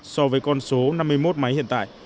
so với con số năm mươi một máy hiện tại